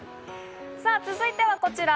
続いてはこちら。